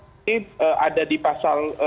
ini ada di pasal